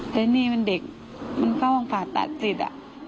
แต่นี่มันเด็กมันเข้าห้องผ่าตัดติด